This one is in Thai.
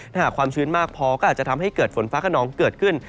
ถ้าหากความชื้นมากพอก็อาจจะทำให้เกิดฝนฟ้าขนองเกิดขึ้น